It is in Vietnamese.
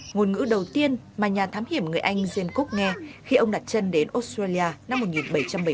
ngôn ngữ đầu tiên mà nhà thám hiểm người anh james cook nghe khi ông đặt chân đến australia năm một nghìn bảy trăm bảy mươi